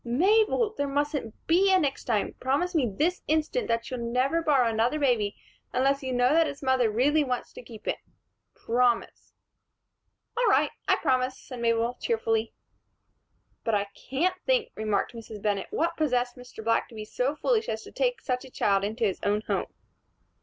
"Mabel! There mustn't be a next time. Promise me this instant that you'll never borrow another baby unless you know that its mother really wants to keep it. Promise." "All right, I promise," said Mabel, cheerfully. "But I can't think," remarked Mrs. Bennett, "what possessed Mr. Black to be so foolish as to take such a child into his own home."